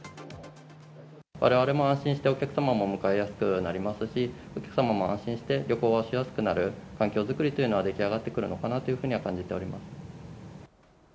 われわれも安心して、お客様を迎えやすくなりますし、お客様も安心して旅行をしやすくなる環境作りというのは、出来上がってくるのかなというふうには感じております。